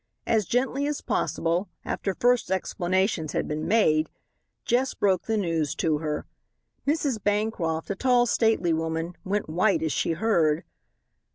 As gently as possible, after first explanations had been made, Jess broke the news to her. Mrs. Bancroft, a tall, stately woman, went white as she heard.